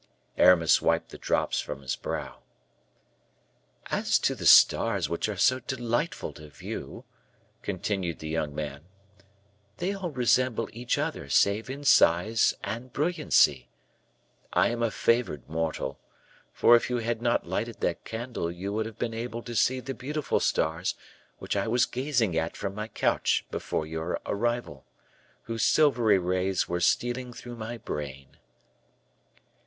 Aramis wiped the drops from his brow. "As to the stars which are so delightful to view," continued the young man, "they all resemble each other save in size and brilliancy. I am a favored mortal, for if you had not lighted that candle you would have been able to see the beautiful stars which I was gazing at from my couch before your arrival, whose silvery rays were stealing through my brain."